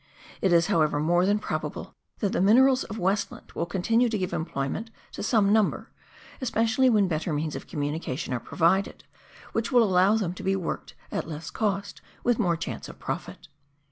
It is, however, more than probable that the minerals of Westland will continue to give employment to some number, especially when better means of communication are provided, which will allow them to be worked at less cost with more chance of profit.